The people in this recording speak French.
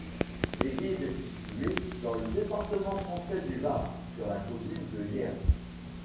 L'église est située dans le département français du Var, sur la commune de Hyères.